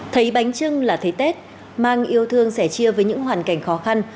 thấy bánh trưng là thấy tết mang yêu thương sẻ chia với những hoàn cảnh khó khăn